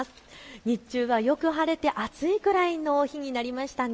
日中はよく晴れて暑いくらいの日になりましたね。